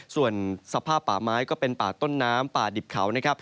ส่วนสภาพป่าไม้ก็เป็นป่าต้นน้ำป่าดิบเขานะครับ